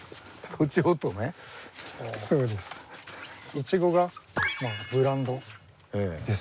イチゴがブランドです。